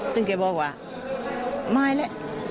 ต้นแกบอกว่าไม่สิ